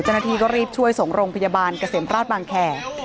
เจ้าหน้าที่ก็รีบช่วยส่งโรงพยาบาลเกษมราชบางแคร์